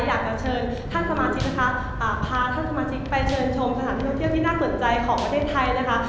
อยากจะเชิญท่านสมาชิกนะคะพาท่านสมาชิกไปเชิญชมสถานที่ท่องเที่ยวที่น่าสนใจของประเทศไทยนะคะ